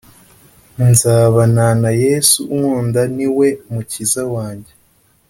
Nzabanana Yesu unkunda, ni we Mukiza wanjye